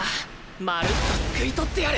まるっとすくい取ってやる！